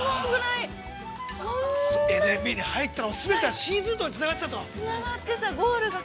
◆ＮＭＢに入ったのは、全てはシーズートウにつながっていたと。